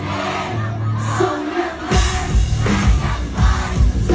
เป็นต้องไหวเป็นต้องไหว